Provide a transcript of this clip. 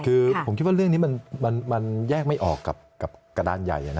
คือผมคิดว่าเรื่องนี้มันแยกไม่ออกกับกระดานใหญ่